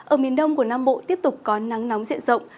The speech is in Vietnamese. ở miền đông của nam bộ tiếp tục có nắng nóng diện rộng